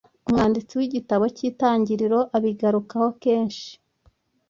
umwanditsi w’igitabo cy’intangiriro abigarukaho kenshi: